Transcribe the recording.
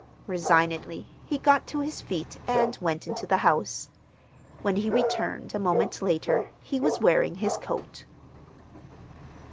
Resignedly he got to his feet and went into the house. When he returned a moment later he was wearing his coat.